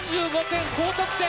１４５点高得点！